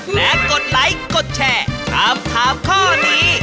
และกดไลค์กดแชร์ถามถามข้อนี้